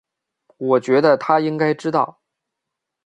我觉得他应该知道